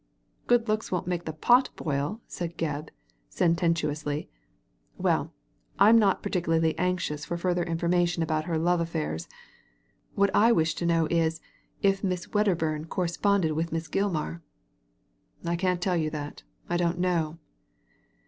" Good looks won't make the pot boil," said Gebb, sententiously. "Well, I'm not particularly anxious for further information about her love affairs. What I wish to know is, if Miss Wedderbum corresponded with Miss Oilman" " I can't tell you that : I don't know.'